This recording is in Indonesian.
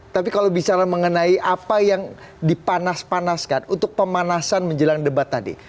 tapi kalau bicara mengenai apa yang dipanas panaskan untuk pemanasan menjelang debat tadi